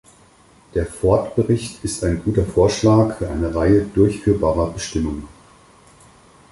Der Ford-Bericht ist ein guter Vorschlag für eine Reihe durchführbarer Bestimmungen.